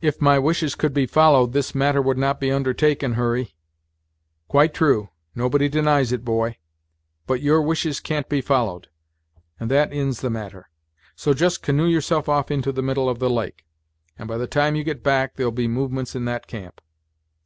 "If my wishes could be followed, this matter would not be undertaken, Hurry " "Quite true nobody denies it, boy; but your wishes can't be followed; and that inds the matter. So just canoe yourself off into the middle of the lake, and by the time you get back there'll be movements in that camp!"